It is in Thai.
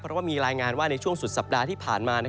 เพราะว่ามีรายงานว่าในช่วงสุดสัปดาห์ที่ผ่านมา